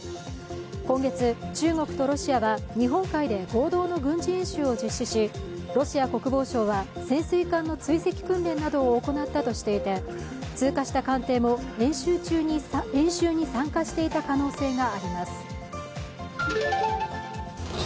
今月、中国とロシアは日本海で合同の軍事演習を実施しロシア国防省は、潜水艦の追跡訓練などを行ったとしていて通過した艦艇も、演習に参加していた可能性があります。